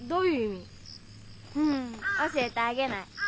ふん教えてあげない。